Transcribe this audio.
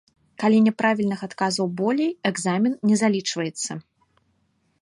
Калі няправільных адказаў болей, экзамен не залічваецца.